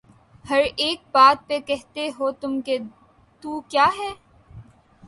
ہر ایک بات پہ کہتے ہو تم کہ تو کیا ہے